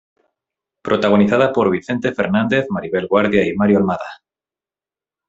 Protagonizada por Vicente Fernández, Maribel Guardia y Mario Almada.